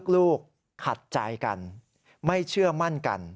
ลูกขัดใจกันไม่เชื่อมั่นกัน